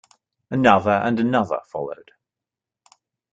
Another and another followed.